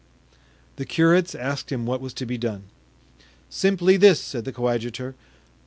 The curates asked him what was to be done. "Simply this," said the coadjutor.